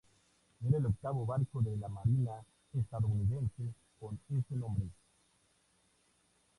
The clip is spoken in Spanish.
Era el octavo barco de la marina estadounidense con ese nombre.